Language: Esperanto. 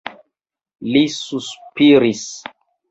Li suspiris.